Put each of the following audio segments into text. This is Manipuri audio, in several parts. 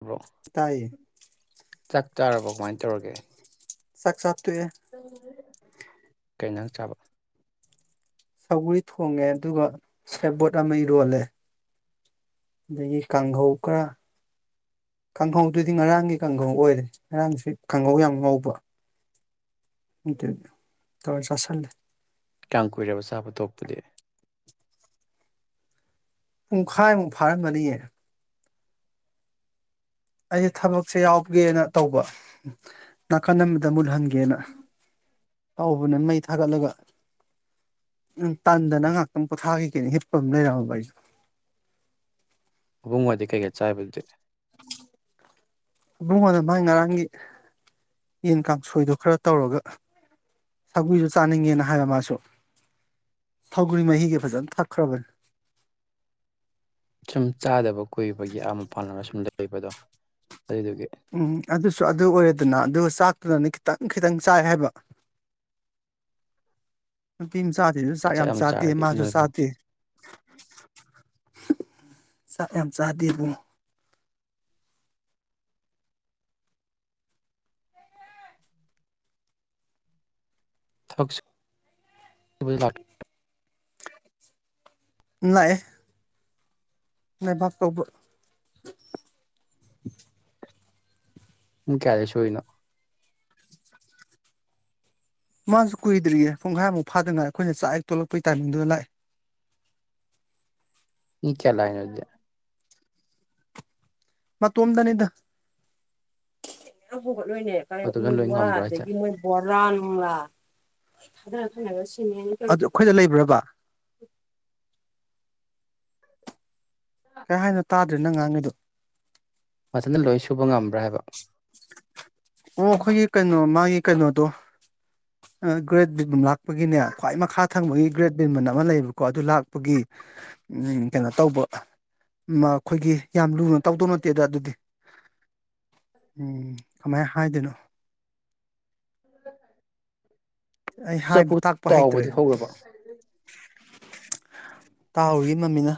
ꯕ꯭ꯔꯣ ꯇꯥꯏꯌꯦ ꯆꯥꯛ ꯆꯥꯔꯕ ꯀꯃꯥꯏꯅ ꯇꯧꯔꯒꯦ ꯁꯥꯥꯛꯁꯠ ꯀꯩꯅ ꯅ ꯆꯥꯕ ꯁꯒꯔꯤ ꯊꯣꯡꯉꯦ ꯑꯗꯨꯒ ꯁꯦꯞꯕꯣꯠ ꯑꯃ ꯏꯔꯣꯜꯂꯦ ꯑꯗꯒꯤ ꯀꯥꯡꯍꯧ ꯈꯔ ꯀꯥꯡꯍꯧꯗꯨꯗꯤ ꯉꯔꯥꯡꯒꯤ ꯀꯥꯡꯈꯧ ꯑꯣꯏꯔꯦ ꯉꯔꯥꯡꯁꯤ ꯀꯥꯡꯍꯧ ꯌꯥꯝ ꯉꯧꯕ ꯎꯗꯗ ꯇ ꯆꯁꯔꯂꯦ ꯀꯥꯡ ꯀꯨꯏꯔꯕ ꯆꯥꯕ ꯇꯣꯛꯄꯗꯤ ꯄꯨꯡꯈꯥꯏꯃꯨꯛ ꯐꯥꯔꯝꯕꯅꯤꯌꯦ ꯑꯩꯁꯦ ꯊꯕꯛꯁꯦ ꯌꯥꯎꯒꯦꯅ ꯇꯧꯕ ꯅꯥꯀꯟ ꯑꯃꯗ ꯃꯨꯜꯍꯟꯒꯦ ꯌꯦꯅ ꯍꯥꯎꯕꯅ ꯃꯩ ꯊꯥꯒꯠꯂꯒ ꯇꯟꯗꯅ ꯉꯍꯥꯛꯇꯪ ꯄꯣꯊꯥꯈꯤꯒꯅ ꯍꯤꯠꯄ ꯑꯃ ꯂꯩꯔꯝꯃꯕ ꯑꯩꯁꯨ ꯎꯕꯨꯡ ꯋꯥꯗꯤ ꯀꯩꯀꯩ ꯆꯥꯏꯕꯗꯨꯗꯤ ꯏꯕꯨꯡꯉꯣꯗ ꯃꯒꯤ ꯉꯔꯥꯡꯒꯤ ꯌꯦꯟ ꯀꯥꯡꯁꯣꯏꯗꯣ ꯈꯔ ꯇꯧꯔꯒ ꯁꯒꯔꯤꯁꯨ ꯆꯥꯅꯤꯡꯉꯦꯅ ꯍꯥꯏꯕ ꯃꯥꯁꯨ ꯁꯒꯔꯤ ꯃꯍꯤꯒꯤ ꯐꯖꯅ ꯊꯛꯈ꯭ꯔꯕꯅꯤ ꯁꯨꯝ ꯆꯥꯗꯕ ꯀꯨꯏꯕꯒꯤ ꯑꯥ ꯃꯄꯥꯥꯟꯜꯅ ꯁꯨꯝ ꯂꯩꯕꯗꯣ ꯑꯗꯨꯗꯨꯒꯤ ꯎꯝ ꯑꯗꯨꯁꯨ ꯑꯗꯨ ꯑꯣꯏꯔꯦꯗꯅ ꯑꯗꯨꯒ ꯆꯥꯛꯇꯨꯗꯅ ꯈꯤꯇꯪ ꯈꯤꯇꯪ ꯆꯥꯏ ꯍꯥꯏꯕ ꯅꯨꯄꯤꯝꯆꯥꯁꯤꯁꯨꯥꯛ ꯆꯥꯛ ꯌꯥꯝ ꯆꯥꯗꯦ ꯆꯥꯔꯗꯤ ꯃꯥꯁꯨ ꯅꯣꯏꯕꯅꯤ ꯆꯥꯗꯦ ꯆꯥꯛ ꯌꯥꯝ ꯆꯥꯗꯦꯕ [unintelligible] ꯂꯥꯑꯦ ꯂꯩꯕꯥꯛ ꯇꯧꯕ ꯄꯨꯡ ꯀꯌꯥꯗꯩ ꯁꯨꯔꯤꯅꯣ ꯃꯥꯁꯨ ꯀꯨꯏꯗ꯭ꯔꯤꯌꯦ ꯄꯨꯡꯘꯥꯏꯃꯨꯛ ꯐꯥꯗꯅ ꯉꯥꯏ ꯑꯈꯣꯏꯅ ꯆꯥꯛ ꯍꯦꯛ ꯇꯣꯛꯂꯛꯄꯩ ꯇꯥꯏꯃꯤꯡꯗꯨꯗ ꯂꯥꯛꯑꯦ ꯃꯥ ꯀꯌꯥ ꯂꯥꯛꯏꯅꫭ ꯖꯦ ꯃꯇꫭꯝꯗꯅꯤꯗ ꯈꯣꯠꯂꯣꯏꯅꯔꯀꯥꯟ ꯎ ꯃꯇꯣꯝꯇ ꯂꯣꯏ ꯋꯥ ꯉꯝꯕ꯭ꯔꯣ ꯍꯥꯏꯁꯦ ꯑꯗꯒꯤ ꯃꯨꯛ ꯕꯣꯔꯥꯅꯨꯡꯂꯥ ꯂꫭꯏ ꯊꯥꯗꯔ ꯊꯝꯃꯦꯕ ꯁꯤꯃꯦꯟꯇ ꯀꯩꯀꯥ ꯑꯗꯨ ꯈꯣꯏꯗ ꯂꯩꯕꯔꯕꯥ ꯀꯩ ꯍꯥꯏꯅꯣ ꯇꯥꯗ꯭ꯔꯦ ꯅꯪ ꯉꯥꯡꯉꯤꯗꯨ ꯃꯊꯟꯗ ꯂꯣꯏ ꯁꯨꯕ ꯉꯝꯕ꯭ꯔꯥ ꯍꯥꯏꯕ ꯑꯣ ꯑꯈꯣꯏꯒꯤ ꯀꯩꯅꯣ ꯃꯥꯒꯤ ꯀꯩꯅꯣꯗꯣ ꯑ ꯒ꯭ꯔꯦꯠ ꯕꯤꯝ ꯂꯥꯛꯄꯒꯤꯅꯦ ꯈ꯭ꯋꯥꯏ ꯃꯈꯥ ꯊꯪꯕꯒꯤ ꯒ꯭ꯔꯦꯠ ꯕꯤꯝ ꯑꯅ ꯑꯃ ꯂꯩꯌꯦꯕꯀꯣ ꯑꯗꯨ ꯂꯥꯛꯄꯒꯤ ꯎꯝ ꯀꯩꯅꯣ ꯇꯧꯕ ꯃ ꯈꯣꯏꯒꯤ ꯌꯥꯝ ꯂꯨꯅ ꯇꯧꯗꯧ ꯅꯠꯇꯦꯗ ꯑꯗꯨꯗꯤ ꯎꯝ ꯀꯃꯥꯏ ꯍꯥꯏꯗꯣꯏꯅꯣ ꯑꯩ ꯆꯐꯨ ꯍꯥꯏꯕ ꯇꯥꯛꯄ ꯍꯩꯇ꯭ꯔꯦ ꯇꯥꯎꯕꯗꯤ ꯍꯧꯔꯕꯣ ꯇꯥꯍꯔꯤꯌꯦ ꯃꯝꯃꯤꯅ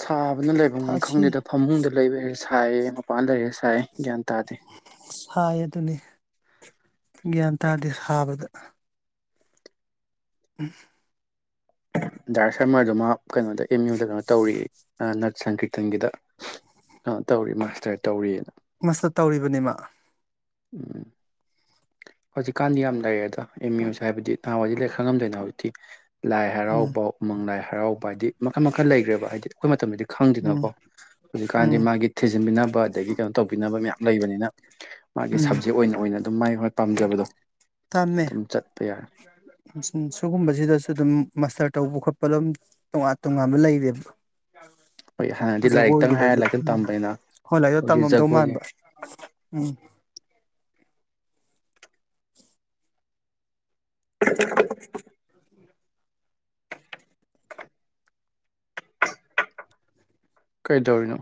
ꯁꯥꯕ ꯅ ꯂꯩꯐꯝ ꯑꯁꯤ ꯉꯈꯪꯗꯦꯗ ꯐꯃꯨꯡꯗ ꯂꯩꯕꯩꯔ ꯁꯥꯏꯌꯦ ꯃꯄꯥꯟ ꯂꯩꯔꯦ ꯁꯥꯏ ꯒ꯭ꯌꯥꯟ ꯇꯥꯗꯦ ꯍꯥꯏ ꯑꯗꯨꯅꯤ ꯒ꯭ꯌꯥꯟ ꯇꯥꯗꯦ ꯁꯥꯕꯗ ꯎꯝ ꯗꯥꯔ ꯁꯝꯃꯔꯗꫭ ꯃꯥ ꯀꯩꯅꯣꯗ ꯑꯦꯝ ꯌꯨꯗ ꯀꯩꯅꯣ ꯇꯧꯔꯤ ꯑꯌꯦ ꯑꯥ ꯅꯠ ꯁꯪꯀꯤ꯭ꯔꯤꯇꯟꯒꯤꯗ ꯑ ꯇꯧꯔꯤ ꯃꯥꯁꯇꯔ ꯇꯧꯔꯤ ꯑꯅ ꯃꯁꯇ ꯇꯧꯔꯤꯕꯅꯦ ꯃꯥ ꯎꯝ ꯍꯧꯖꯤꯛꯀꯥꯟꯗꯤ ꯌꯥꯝ ꯂꯩꯔꯦꯗ ꯑꯦꯝ ꯌꯨꯁꯦ ꯍꯥꯏꯕꯗꯤ ꯅꯍꯥꯟꯋꯥꯏꯗꯤ ꯂꫭꯏ ꯈꯪ ꯉꯝꯗꯦꯅ ꯍꯧꯖꯤꯛꯇꯤ ꯂꯥꯏ ꯎꯝ ꯍꯔꯥꯎꯕ ꯎꯃꯪ ꯂꯥꯏ ꯍ ꯍꯔꯥꯎꯕ ꯍꯥꯏꯗꯤ ꯃꯈꯟ ꯃꯈꯟ ꯂꯩꯈ꯭ꯔꯦꯕ ꯍꯥꯏꯗꯤ ꯑꯩꯈꯣꯏ ꯃꯇꯝꯗꯗꯤ ꯎꯝ ꯈꯪꯗꯤꯅꯀꯣ ꯎꯝ ꯍꯧꯖꯤꯛꯀꯥꯟꯗꯤ ꯃꯥꯒꯤ ꯊꯤ ꯟꯕꯤꯅꯕ ꯑꯗꯒꯤ ꯀꯩꯅꯣ ꯇꯧꯕꯤꯅꯕ ꯃꯌꯥꯝ ꯂꯩꯕꯅꯤꯅ ꯃꯥꯒꯤ ꯎꯝ ꯁꯞꯖꯦꯛ ꯑꯣꯏꯅ ꯑꫭꯏꯅ ꯑꯗꯨꯝ ꯃꯥꯏ ꯍꫭ ꯇꯝꯃꯦ ꯌꯥꯔꯦ ꯁꯨꯝ ꯁꯤꯒꯨꯝꯕꯁꯤꯗꯁꯨ ꯗꯨꯝ ꯃꯁꯇꯔ ꯇꯧꯕ ꯈꯣꯠꯄ ꯗꯨꯝ ꯇꯣꯉꯥꯟ ꯇꯣꯉꯥꯟꯕ ꯂꯩꯔꯦꯕ ꯍꯣꯏ ꯍꯥꯟꯅꯗꯤ ꯂꯥꯏꯔꯤꯛꯇꯪ ꯍꯥꯏꯔ ꯖꯒꯣꯏꯒꯤꯗꯖꯨ ꯂꯥꯏꯔꯤꯛꯇꯪ ꯎꯝ ꯇꯝꯕꯅꯤꯅ ꯍꯣꯏ [unintelligible] ꯍꯧꯖꯤꯛ ꯇꯝꯃꯝꯗꯧ ꯖꯒꯣꯏ ꯃꯥꯟꯕ ꯎꯝ [inaudible] ꯀꯩꯗꯧꯔꯤꯅꯣ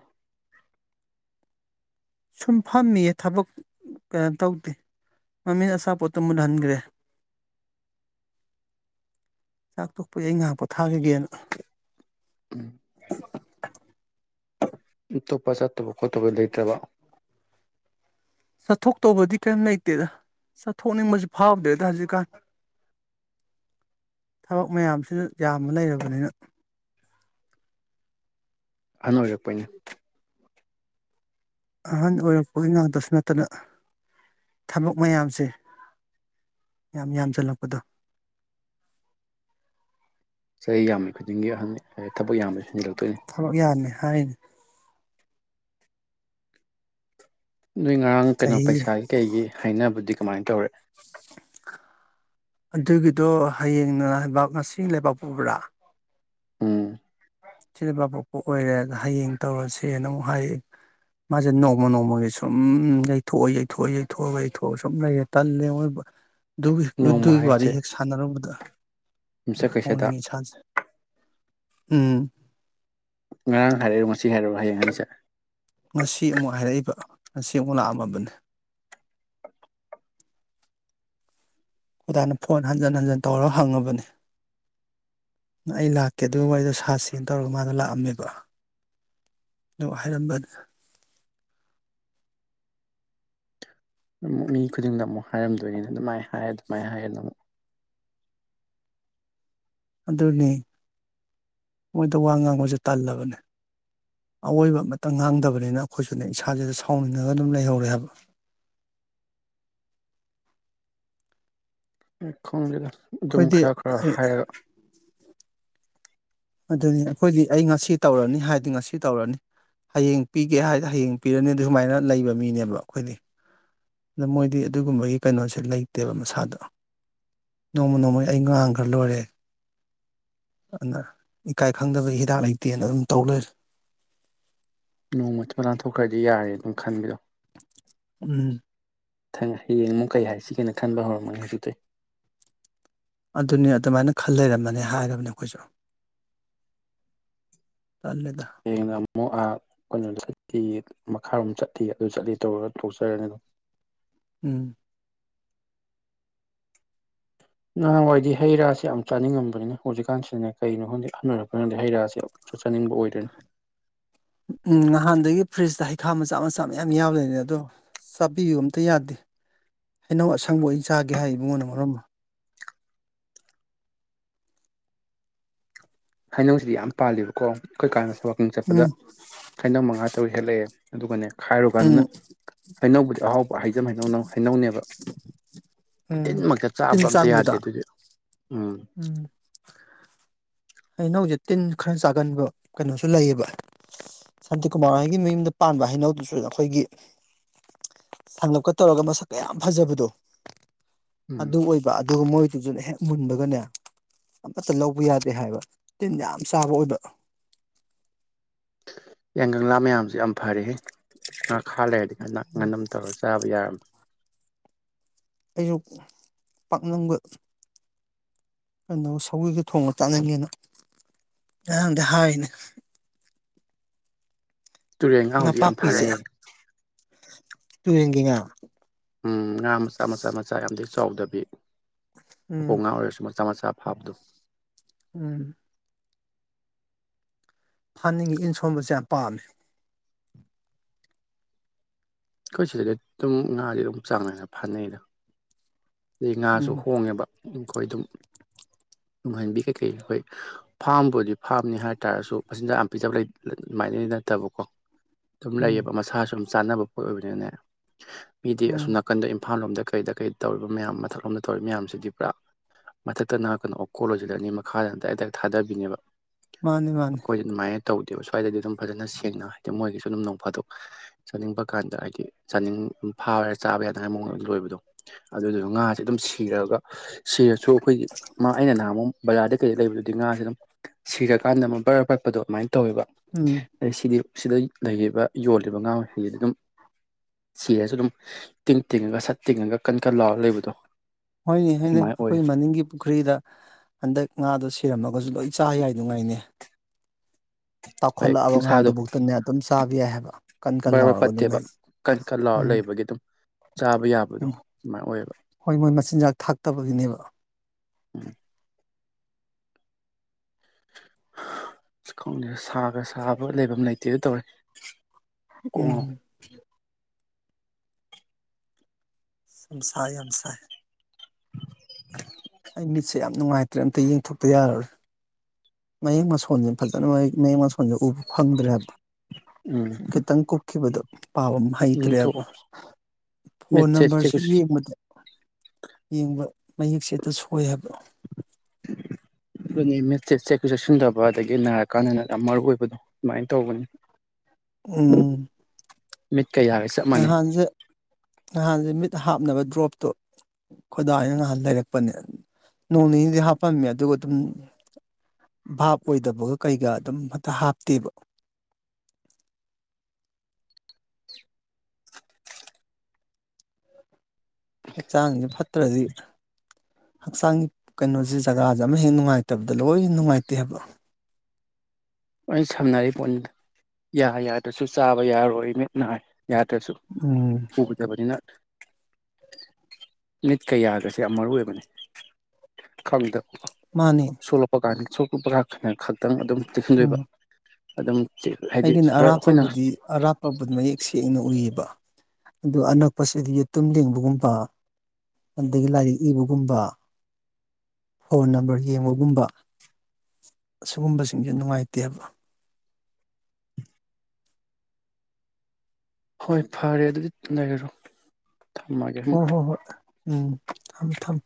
ꯁꯨꯝ ꯐꯝꯃꯤꯌꯦ ꯊꯕꯛ ꯀꯩꯅꯣ ꯇꯧꯗꯦ ꯃꯝꯃꯤꯅ ꯑꯁꯥꯄꯣꯠꯇꯨ ꯃꯨꯜꯍꯟꯒ꯭ꯔꯦ ꯆꯥꯛꯊꯣꯛꯄ ꯑꯩ ꯉꯥꯏꯍꯥꯛ ꯄꯣꯊꯥꯈꯤꯒꯦꯅ [unintelligible] ꯈꯣꯠꯇꯕ ꯂꯩꯇ꯭ꯔꯕꯥ ꯆꯠꯊꯣꯛ ꯇꯧꯕꯗꯤ ꯀꯔꯤꯝ ꯂꯩꯇꯦꯗ ꯆꯠꯊꯣꯛꯅꯤꯡꯕꯁꯨ ꯐꯥꯎꯗꯦꯗ ꯍꯧꯖꯤꯛꯀꯥꯟ ꯊꯕꯛ ꯃꯌꯥꯝꯁꯤꯗ ꯌꯥꯝꯅ ꯂꯩꯔꯕꯅꯤꯅ ꯑꯅ ꯑꯣꯏꯔꯛꯄꯅꯦ ꯑꯍꯟ ꯑꯣꯏꯔꯛꯄꯒꯤ ꯉꯥꯛꯇꯁꯨ ꯅꯠꯇꯅ ꯊꯕꯛ ꯃꯌꯥꯝꯁꯦ ꯌꯥꯝ ꯌꯥꯝꯁꯤꯜꯂꯛꯄꯗꯣ ꯆꯍꯤ ꯌꯥꯝꯃꯤ ꯈꯨꯗꯤꯡꯒꯤ ꯑꯍꯟ ꯊꯕꯛ ꯌꯥꯝꯃꯦ ꯊꯕꯛ ꯌꯥꯅꯤ ꯍꯥꯏꯅꯤ ꯅꯣꯏ ꯉꯔꯥꯡ ꯀꯩꯅꯣ ꯆꯍꯤ ꯄꯩꯁꯥꯒꯤ ꯀꯩꯒꯤ ꯍꯥꯏꯅꯕꯗꯤ ꯀꯃꯥꯏꯅ ꯇꯧꯔꯦ ꯑꯗꯨꯒꯤꯗꯣ ꯍꯌꯦꯡꯕꯥꯛ ꯉꯁꯤ ꯂꯩꯕꯥꯛꯄꯕ꯭ꯔꯥ ꯎꯝ ꯁꯤꯗ ꯄ ꯄꯣꯛꯄ ꯑꯣꯏꯔꯦ ꯍꯌꯦꯡ ꯇꯧꯔꯁꯦꯅ ꯑꯃꯨꯛ ꯍꯥꯏꯌꯦ ꯃꯥꯁꯦ ꯅꯣꯡꯃ ꯅꯣꯡꯃꯒꯤ ꯁꯨꯝ ꯌꯩꯊꯣꯛꯑꯣ ꯌꯩꯊꯣꯛꯑ ꯌꯩꯊꯣꯛꯑꯒ ꯌꯩꯊꯣꯛꯑ ꯁꯨꯝ ꯂꯩꯔꯦ ꯇꯜꯂꯦꯣꯏ ꯑꯗꯨꯒꯤ ꯅꯣꯡꯃ ꯑꯗꯨꯒꯤ ꯋꯥꯔꯤ ꯍꯥꯏꯁꯦ ꯍꯦꯛ ꯁꯥꯟꯅꯔꯨꯕꯗ ꯌꯨꯝꯁꯀꯩꯁꯗ ꯍꯅꯤ ꯆ ꯎꯝ ꯉꯔꯥꯡ ꯍꯥꯏꯔꯛꯣ ꯉ ꯍꯥꯏꯔꯛꯑꯣ ꯍꯌꯦꯡ ꯍꯥꯏꯅꯤꯁꯦ ꯉꯁꯤ ꯑꯃꯨꯛ ꯍꯥꯏꯔꯛꯏꯕ ꯉꯁꯤ ꯑꯃꯨꯛ ꯂꯥꯛꯑꯝꯃꯕꯅꯦ ꯍꯗꯥꯅ ꯐꯣꯟ ꯍꯟꯖꯤꯟ ꯍꯟꯖꯤꯟ ꯇꯧꯔꯒ ꯍꯪꯉꯕꯅꯤ ꯑꯩ ꯂꯥꯛꯀꯦ ꯑꯗꯨꯒꯤ ꯋꯥꯔꯤꯗꯣ ꯁꯥꯁꯅ ꯇꯧꯔꯒ ꯃꯥꯗꯣ ꯂꯥꯛꯑꯝꯃꯦꯕ ꯑꯗꯨ ꯍꯥꯏꯔꯝꯕ ꯑꯃꯨꯛ ꯃꯤ ꯈꯨꯗꯤꯡꯗ ꯑꯃꯨꯛ ꯍꯥꯏꯔꯝꯗꯣꯏꯅꯤꯅ ꯑꯗꯨꯃꯥꯏꯅ ꯍꯥꯏꯦ ꯑꯗꯨꯃꯥꯏꯅ ꯍꯥꯏꯌꯦꯦ ꯑꯃꯨꯛ ꯑꯗꯨꯅꯤ ꯃꯣꯏꯗ ꯋꯥ ꯉꯥꯡꯕꯁꯦ ꯇꯜꯂꯕꯅꯦ ꯑꯋꯣꯏꯕ ꯑꯃꯇ ꯉꯥꯡꯗꯕꯅꯤꯅ ꯑꯩꯈꯣꯏꯁꯨꯅꯦ ꯏꯁꯥꯁꯤꯗ ꯁꯥꯎꯅꯤꯡꯉꯒ ꯑꯗꯨꯝ ꯂꯩꯍꯧꯔꯦ ꯍꯥꯏꯕ ꯑꯦ ꯈꯣꯒꯥ ꯑꯗꯨꯝ ꯑꯩꯈꯣꯏꯗꯤ ꯈꯔ ꯈꯔ ꯑꯩ ꯍꯥꯏꯔꯒ ꯑꯗꯨꯅꯤ ꯑꯩꯈꯣꯏꯗꯤ ꯑꯩ ꯉꯁꯤ ꯇꯧꯔꯅꯤ ꯍꯥꯏꯗꯤ ꯉꯁꯤ ꯁꯤ ꯇꯧꯔꯅꯤ ꯍꯌꯦꯡ ꯄꯤꯒꯦ ꯍꯥꯏꯗꯤ ꯍꯌꯦꯡ ꯄꯤꯔꯅꯤ ꯑꯗꯨ ꯁꯨꯃꯥꯏꯅ ꯂꯩꯕ ꯃꯤꯅꯦꯕ ꯑꯩꯈꯣꯏꯗꯤ ꯑꯗ ꯃꯣꯏꯗꯤ ꯑꯗꯨꯒꯨꯝꯕꯒꯤ ꯀꯩꯅꯣꯁꯦ ꯂꯩꯇꯦꯕ ꯃꯁꯥꯗꯣ ꯅꯣꯡꯃ ꯅꯣꯡꯃꯒꯤ ꯑꯩ ꯉꯥꯡꯈ꯭ꯔ ꯂꯣꯏꯔꯦ ꯑꯗꯨꯅ ꯏꯀꯥꯏ ꯈꯪꯗꯕꯒꯤ ꯍꯤꯗꯥꯛ ꯂꯩꯇꯦꯅ ꯑꯗꯨꯝ ꯇꯧ ꯂꯩꯔ ꯅꯣꯡꯃ ꯆꯨꯞꯄ ꯂꯥꯟꯊꯣꯛꯈ꯭ꯔꯗꯤ ꯌꯥꯔꯦ ꯑꯗꯨꯝ ꯈꯟꯕꯤꯗꯣ ꯎꯝ ꯍꯌꯦꯡ ꯑꯃꯨꯛ ꯀꯩ ꯍꯥꯏ ꯁꯤꯒꯦꯅ ꯈꯟꯕ ꯍꯧꯔꯝꯃꯅꯤ ꯍꯧꯖꯤꯛꯇꯛꯇꯤ ꯑꯗꯨꯅꯤ ꯑꯗꯨꯃꯥꯏꯅ ꯈꯜ ꯂꯩꯔꯝꯃꯅꯤ ꯍꯥꯏꯔꯕꯅꯦ ꯑꯩꯈꯣꯏꯁꯨ ꯇꯜꯂꯦꯗ ꯍꯌꯦꯡꯅ ꯑꯃꯨꯛ ꯑꯥ ꯀꯩꯅꯣ ꯆꯠꯇ ꯃꯈꯥꯔꯣꯝ ꯆꯠꯇꯂꯤ ꯑꯗꯨ ꯆꯠꯂꯤ ꯇꯧꯔꯒ ꯇꯣꯛꯆꯔꯅꯤ ꯑꯗꯨꯝ ꯎꯝ ꯅꯍꯥꯟꯋꯥꯏꯗꯤ ꯍꯩ ꯔꯥꯁꯦ ꯌꯥꯝ ꯆꯥꯅꯤꯡꯉꯝꯕꯅꯤ ꯍꯧꯖꯤꯛꯀꯥꯟꯁꯤꯗꯅꯦ ꯀꯩꯅꯣ ꯈꯪꯗꯛ ꯍꯟꯅꯔꯛꯄꯅꯗꯤ ꯍꯩ ꯔꯥꯁꯦ ꯑ ꯆꯥꯅꯤꯡꯕ ꯑꯣꯏꯗꯣꯏꯅꯤ ꯎꯝ ꯅꯍꯥꯟꯗꯒꯤ ꯐ꯭ꯔꯤꯖꯇ ꯍꯩꯈꯥ ꯃꯆꯥ ꯃꯆꯥ ꯃꯌꯥꯝ ꯌꯥꯎ ꯂꯩꯅꯦ ꯑꯗꯣ ꯆꯥꯕꯤꯌꯨ ꯑꯝꯇ ꯌꯥꯗꯦ ꯍꯩꯅꯧ ꯑꯁꯪꯕ ꯑꯣꯏꯅ ꯆꯥꯒꯦ ꯍꯥꯏ ꯏꯕꯉꯣꯟꯗ ꯃꯔꯝꯃ ꯍꯥꯏꯩꯅꯧꯁꯤꯗꯤ ꯌꯥꯝ ꯄꯥꯜꯂꯤꯕ ꯀꯣ ꯑꯩꯈꯣꯏ ꯀꯥꯟꯗ ꯁꯕꯪ ꯆꯠꯄꯗ ꯎꯝ ꯈꯥꯏꯗꯧ ꯃꯉꯥ ꯇꯧ ꯍꯦꯜꯂꯛꯑꯦ ꯑꯗꯨꯒꯅꯦ ꯈꯥꯏꯔꯨ ꯎꯝ ꯀꯥꯟꯗꯅ ꯍꯩꯅꯧꯕꯕꯨꯗꯤ ꯑꯍꯥꯎꯕ ꯍꯩꯖꯝꯩꯅ ꯍꯩꯅꯧꯅꯦꯕ ꯎꯝ ꯇꯤꯟꯃꯛꯇ ꯇꯤꯟ ꯆꯥꯕ ꯑꯝꯇ ꯌꯥꯗꯦ ꯆꯪꯕꯗꯣ ꯑꯗꯨꯗꯤ ꯎꯝ ꯎꯝ ꯍꯩꯅꯧꯁꯦ ꯇꯤꯟ ꯈꯔ ꯆꯥꯒꯟꯕ ꯀꯩꯅꯣꯁꯨ ꯂꯩꯌꯦꯕ ꯁꯥꯟꯇꯤꯀꯨꯃꯥꯔ ꯍꯥꯏꯒꯤ ꯃꯌꯨꯝꯗ ꯄꯥꯟꯕ ꯍꯩꯅꯧꯗꯨꯁꯨ ꯑꯩꯈꯣꯏꯒꯤ ꯁꯥꯡꯒꯞꯀ ꯇꯧꯔꯒ ꯃꯁꯛ ꯀ ꯌꯥꯝ ꯐꯖꯕꯗꯣ ꯎꯝ ꯑꯗꯨ ꯑꯣꯏꯕ ꯑꯗꯨ ꯑꯗꯨꯒ ꯃꯣꯏꯗꯨꯁꯨꯅ ꯍꯦꯛ ꯃꯨꯟꯕꯒꯅꯦ ꯑꯃꯠꯇ ꯂꯧꯕ ꯌꯥꯗꯦ ꯍꯥꯏꯕ ꯇꯤꯟ ꯌꯥꯝ ꯆꯥꯕ ꯑꯣꯏꯕ ꯌꯥꯏ ꯀꯪꯂꯥ ꯃꯌꯥꯝꯁꯨ ꯌꯥꯝ ꯐꯔꯦꯦ ꯈꯥ ꯂꯩꯔꯗꯤ ꯉ ꯉꯟꯅꯝ ꯇꯧꯔꯒ ꯆꯥꯕ ꯌꯥꯔꯝꯃꯦ ꯑꯩꯁꯨ ꯄꯥꯛꯅꯕ ꯀꯩꯅꯣ ꯁꯧꯤꯒ ꯊꯣꯡꯅ ꯆꯥꯅꯤꯡꯉꯦꯅ ꯉꯔꯥꯡꯗꯤ ꯍꯥꯏꯔꯤꯅꯦ ꯇꯨꯔꯦꯟꯒ ꯍꯧꯖꯤꯛ ꯌꯥꯝ ꯐꯅꯩ ꯇꯨ ꯌꯦꯉꯤꯉ ꯎꯝ ꯉꯥ ꯃꯆꯥ ꯃꯆꯥ ꯃꯆꯥ ꯌꯥꯝꯗꯤ ꯆꯥꯎꯗꯕꯤ ꯄꯣꯛ ꯎꯝ ꯉꯥ ꯑꯣꯏꯔꯁꯨ ꯆꯃꯆꯥꯞ ꯍꯥꯞꯗꯨꯣ ꯎ ꯍꯅꯤꯡꯉꯤ ꯏꯟ ꯁꯣꯟꯕꯁꯦ ꯌꯥꯝ ꯄꯥꯝꯃꯦ ꯑꯩꯈꯣꯏ ꯁꯤꯗꯗꯤ ꯑꯗꯨꯝ ꯉꯥꯥꯁ ꯑꯗꯨꯝ ꯆꯥꯡ ꯅꯥꯏꯅ ꯐꯥꯅꯩꯗ ꯑꯗꯩ ꯉꯥꯁꯨ ꯎꯝ ꯍꯣꯡꯉꯦꯕ ꯑꯩꯈꯣꯏ ꯑꯗꯨꯝ ꯅꯨꯡꯍꯟꯕꯤ ꯀꯩꯀꯩ ꯑꯩꯈꯣꯏ ꯐꯥꯝꯕꯨꯗꯤ ꯐꯥꯝꯅꯤ ꯍꯥꯏ ꯇꯥꯔꯁꯨ ꯃꯆꯤꯟꯖꯥꯛ ꯌꯥꯝ ꯄꯤꯖꯕ ꯑꯗꯨꯃꯥꯏꯅꯗꯤ ꯅꯠꯇꯕꯀꯣ ꯑꯗꯨꯝ ꯎꯝ ꯂꯩꯌꯦꯕ ꯃꯁꯥꯁꯨ ꯆꯥꯟꯅꯕ ꯄꯣꯠ ꯑꯣꯏꯕꯅꯤꯅꯅꯦ ꯃꯤꯗꯤ ꯑꯁꯣꯝ ꯎꯝ ꯅꯥꯀꯟꯗ ꯏꯝꯐꯥꯜ ꯂꯣꯝꯗ ꯀꯩꯗ ꯀꯩ ꯇꯧꯏ ꯃꯌꯥꯝ ꯃꯊꯛꯂꯣꯝꯗ ꯇꯧꯔꯤ ꯃꯌꯥꯝꯁꯤꯗꯤ ꯄꯨꯔꯥ ꯃꯊꯛꯇꯅ ꯀꯩꯅꯣ ꯀꯣꯜꯂꯁꯤꯜꯂꯅꯤ ꯃꯈꯥꯗꯅꯗꯥꯗꯥꯏ ꯊꯥꯗꯕꯤꯅꯦꯕ ꯃꯥꯅꯦ ꯃꯥꯅꯦ ꯑꯩꯈꯣꯏꯗꯤ ꯑꯗꯨꯃꯥꯏꯅ ꯇꯧꯗꯦꯕ ꯁ꯭ꯋꯥꯏꯗꯗꯤ ꯑꯗꯨꯝ ꯐꯖꯅ ꯁꯦꯡꯅ ꯍꯥꯏꯗꯤ ꯃꯣꯏꯒꯤꯁꯨ ꯑꯗꯨꯝ ꯅꯣꯡ ꯐꯥꯗꯣꯛ ꯆꯥꯅꯤꯡꯕ ꯀꯥꯟꯗ ꯍꯥꯏꯗꯤ ꯆꯥꯅꯤꯡ ꯐꯥꯕꯔꯥ ꯆꯥꯕ ꯌꯥꯅꯉꯥꯏ ꯃꯑꯣꯡꯗ ꯂꯣꯏꯕꯗꯣ ꯑꯗꯨꯗꯨꯁꯨ ꯉꯥꯁꯦ ꯑꯗꯨꯝ ꯁꯤꯔꯒ ꯁꯤꯔꯁꯨ ꯑꯩꯈꯣꯏꯒꯤ ꯃꯥ ꯑꯩꯅ ꯅꯍꯥꯃ ꯕꯖꯥꯔꯗ ꯀꯩꯗ ꯂꯩꯕꯗꯨꯗꯤ ꯉꯥꯁꯦ ꯑꯗꯨꯝ ꯁꯤꯔꯀꯥꯟꯗ ꯑꯃꯨꯛ ꯕꯔ ꯑ ꯄꯠꯄꯗꯣ ꯑꯗꯨꯃꯥꯏꯅ ꯇꯧꯋꯦꯕ ꯎꯝ ꯑꯗꯩ ꯁꯤꯗꯤ ꯁꯤꯗ ꯂꯩꯔꯤꯕ ꯌꯣꯜꯂꯤꯕ ꯉꯥ ꯃꯈꯩꯁꯤꯗꯤ ꯑꯗꯨꯝ ꯁꯤꯔꯁꯨ ꯑꯗꯨꯝ ꯇꯤꯡ ꯇꯤꯡꯉꯒ ꯁꯠ ꯇꯤꯡꯉꯒ ꯀꯟ ꯀꯟ ꯂꯥꯎꯔ ꯂꯩꯕꯗꯣ ꯍꯣꯏꯅꯦ ꯍꯥꯏꯅꯦ ꯑꯗꯨꯃꯥꯏꯅ ꯑꯣꯏ ꯑꯩꯈꯣꯏ ꯃꯅꯤꯡꯒꯤ ꯄꯨꯈ꯭ꯔꯤꯗ ꯍꯟꯗꯛ ꯉꯥꯗꯣ ꯁꯤꯔꯝꯃꯒꯁꯨ ꯂꯣꯏ ꯆꯆꯥ ꯌꯥꯏ ꯅꯨꯡꯉꯥꯏꯅꯦ ꯇ ꯍꯣꯏ ꯈꯜꯂ ꯑꯕ ꯉꯍꯗꯨꯛꯇ ꯇꯥꯕ ꯌꯥꯏ ꯍꯥꯏꯕ ꯀꯟ ꯀꯟ ꯕꯔꯕꯔ ꯂꯥꯎꯔꯒ ꯑꯗꯨꯝ ꯄꯠꯇꯦꯕ ꯂꯩ ꯀꯟ ꯀꯟ ꯂꯥꯎꯔ ꯎꯝ ꯂꯩꯕꯒꯤ ꯑꯗꯨꯝ ꯆꯥꯕ ꯌꯥꯕꯗꯣ ꯎꯝ ꯑꯗꯨꯃꯥꯏꯅ ꯑꯣꯏꯌꯦꯕ ꯍꯣꯏ ꯃꯣꯏ ꯃꯆꯤꯟꯖꯥꯛ ꯊꯥꯛꯇꯕꯒꯤꯅꯦꯕ ꯎꯝ ꯈꯪꯗꯦ ꯁꯥꯒ ꯁꯥꯕ ꯂꯩꯐꯝ ꯂꯩꯇꯦ ꯑꯗꯨ ꯇꯧꯔꯦ ꯀꯣꯛ ꯉꯥꯎ ꯎꯝ ꯁꯁꯥꯏ ꯍꯁꯥꯏ [unintelligible] ꯑꯩ ꯃꯤꯠꯁꯦ ꯌꯥꯝ ꯅꯨꯡꯉꯥꯏꯇ꯭ꯔꯦ ꯑꯝꯇ ꯌꯦꯡꯊꯣꯛꯄ ꯌꯥꯔꯔꯦ ꯃꯌꯦꯛ ꯃꯁꯣꯟꯁꯦ ꯐꯖꯅꯌꯦꯛ ꯃꯌꯦꯛ ꯃꯣꯟꯁꯦ ꯎꯕ ꯐꯪꯗ꯭ꯔꯦ ꯍꯥꯏꯕ ꯎꯝ ꯈꯤꯇꯪ ꯀꯨꯞꯈꯤꯕꯗꯣ ꯄꯥꯕ ꯑꯃ ꯍꯩꯇ꯭ꯔꯦꯕ ꯏꯪꯊꯣꯛꯑꯣ ꯐꯣꯟ ꯃꯤꯠꯁꯦ ꯅꯝꯕꯔꯁꯤ ꯌꯦꯡꯕꯗ ꯌꯦꯡꯕ ꯃꯌꯦꯛꯁꯦꯗ ꯁꯣꯏ ꯍꯥꯏꯕ꯭ꯔꯣ ꯑꯗꯨꯅꯤ ꯃꯦꯠꯆꯠ ꯆꯦꯛꯀ ꯆꯦꯛꯁꯤꯟꯗꯕ ꯑꯗꯒꯤ ꯅꯥꯔꯀꯥꯟꯗꯅ ꯌꯥꯝ ꯃꯔꯨ ꯑꯣꯏꯕꯗꯣ ꯑꯗꯨꯃꯥꯏꯅ ꯇꯧꯕꯅꯤ ꯎꯝ [unintelligible] ꯆꯞ ꯃꯥꯟꯅꯩ ꯍꯥꯟꯖꯤ ꯍꯥꯟꯖꯤ ꯃꯤ ꯍꯥꯞꯅꯕ ꯗ꯭ꯔꯣꯞꯇꯣ ꯈꯗꯥꯅ ꯉꯍꯥꯟ ꯂꯩꯔꯛꯄꯅꯦ ꯅꯣꯡ ꯅꯤꯅꯤꯗꯤ ꯍꯥꯞꯄꯝꯃꯦ ꯑꯗꯨꯒ ꯑꯗꯨꯝ ꯚꯥꯞ ꯑꯣꯏꯗꯕꯒ ꯀꯩꯒ ꯑꯗꯨꯝ ꯍꯛꯇ ꯍꯥꯞꯇꯦꯕ ꯍꯛꯆꯥꯡꯁꯦ ꯐꯠꯇ꯭ꯔꯗꯤ ꯍꯛꯆꯥꯡꯒꯤ ꯀꯩꯅꯣꯁꯦ ꯖꯒꯥꯁꯦ ꯑꯃ ꯍꯦꯛ ꯅꯨꯡꯉꯥꯏꯇꯕꯗ ꯂꯣꯏꯅ ꯅꯨꯡꯉꯥꯏꯇꯦ ꯍꯥꯏꯕ ꯑꯩ ꯁꯝꯅꯔꯤ ꯄꯨꯟ ꯌꯥ ꯌꯥꯗꯁꯨ ꯆꯥꯕ ꯌꯥꯔꯣꯏ ꯃꯤꯠꯅ ꯍꯥꯏ ꯌꯥꯗ꯭ꯔꯁꯨ ꯎꯝ ꯎꯗꯕꯅꯤꯅ ꯅꯤꯠ ꯀꯌꯥꯒꯁꯦ ꯌꯥꯝ ꯃꯔꯨ ꯑꯣꯏꯕꯅꯦ ꯈꯪꯗꯕ ꯃꯥꯅꯤ ꯁꯂꯄ ꯀꯥꯟ ꯁꯨꯞꯄ ꯔꯛꯅꯦ ꯈꯗꯦ ꯈꯤꯇꯪ ꯑꯗꯨꯝ ꯇꯤꯁꯤꯟꯕꯤꯕ ꯎꯝ ꯑꯗ ꯑꯩꯒꯤꯅ ꯑꯔꯥꯞꯄꯕꯨꯗꯤ ꯑꯔꯥꯞꯄꯕꯨꯗꯤ ꯃꯌꯦꯛ ꯁꯦꯡꯅ ꯎꯏꯕ ꯑꯗꯨ ꯑꯅꯛꯄꯁꯤꯗꯤ ꯌꯦꯇꯨꯝ ꯂꯦꯡꯕꯒꯨꯝꯕ ꯑꯗꯒꯤ ꯂꯥꯏꯔꯤꯛ ꯏꯕꯒꯨꯝꯕ ꯐꯣꯟ ꯅꯝꯕꯔ ꯌꯦꯡꯕꯒꯨꯝꯕ ꯁꯤꯒꯨꯝꯕꯁꯤꯡꯁꯦ ꯅꯨꯡꯉꯥꯏꯇꯦꯕ ꯍꯣꯏ ꯐꯔꯦ ꯑꯗꯨꯗꯤ ꯂꯩꯔꯔꯣ ꯊꯝꯃꯒꯦ ꯑꯃꯨꯛ ꯍ ꯍꯣ ꯍꯣꯏ ꯎꯝ ꯊꯝ ꯊꯝ